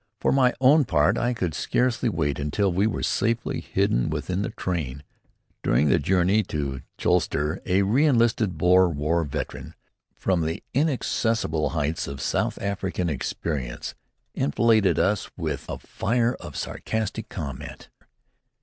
For my own part, I could scarcely wait until we were safely hidden within the train. During the journey to Colchester, a re enlisted Boer War veteran, from the inaccessible heights of South African experience, enfiladed us with a fire of sarcastic comment.